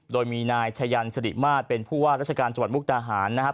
โดยมีนายชะยันสิริมาตรเป็นผู้ว่าราชการจังหวัดมุกดาหารนะครับ